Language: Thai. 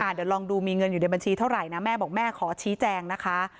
เดี๋ยวลองดูมีเงินอยู่ในบัญชีเท่าไหร่นะแม่บอกแม่ขอชี้แจงนะคะ